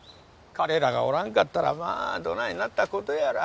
彼らがおらんかったらまあどないなった事やら。